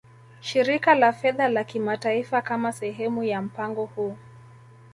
Shirika la Fedha la Kimataifa Kama sehemu ya mpango huu